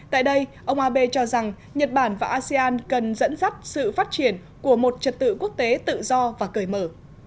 tại đây ông abe cho rằng nhật bản và asean cần dẫn dắt sự phát triển của một trật tự quốc tế tự do và cởi mở